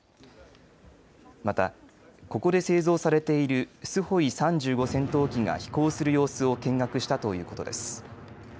またここで製造されているスホイ３５戦闘機が飛行する様子を見学したということです。